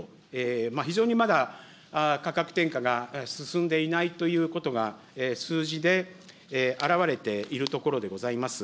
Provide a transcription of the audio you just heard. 非常にまだ価格転嫁が進んでいないということが、数字で表れているところでございます。